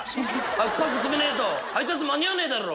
パッパと詰めねえと配達間に合わねえだろ！